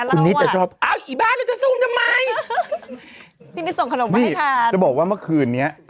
คุณนิดจะชอบอ้าวอีบ้าแล้วจะซูมทำไมพี่นิดส่งขนมมาให้ทานจะบอกว่าเมื่อคืนนี้